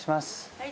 はい。